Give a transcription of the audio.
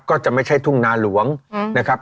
ก็จะไม่ใช่ทุ่งนาหลวงนะครับ